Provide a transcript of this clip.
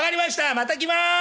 また来ます！